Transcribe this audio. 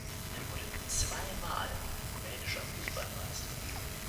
Er wurde zweimal rumänischer Fußballmeister.